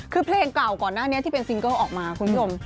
คือเพลงเก่าก่อนหน้านี้ที่เป็นซิงเกิลออกมาคุณผู้ชม